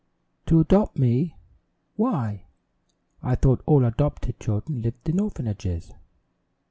"To adopt me? Why, I thought all adopted children lived in orphanages."